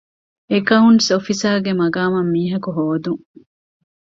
އެކައުންޓްސް އޮފިސަރގެ މަގާމަށް މީހަކު ހޯދުން